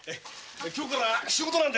今日から仕事です。